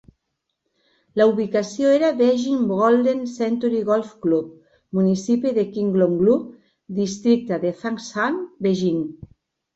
La ubicació era Beijing Golden Century Golf Club, municipi de Qinglonghu, districte de Fangshan, Beijing.